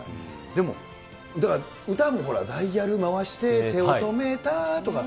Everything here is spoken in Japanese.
でも、だから、歌もダイヤル回して手を止めたとか。